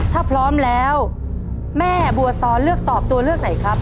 ถ้าพร้อมแล้วแม่บัวซ้อนเลือกตอบตัวเลือกไหนครับ